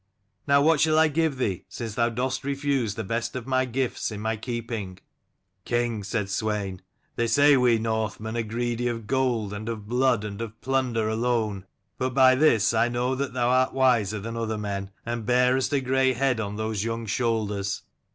Now, what shall I give thee, since thou dost refuse the best of gifts in my keeping?" " King," said Swein, "they say we Northmen are greedy of gold, and of blood, and of plunder alone. But by this I know that thou art wiser than other men, and bearest a grey head on those young shoulders.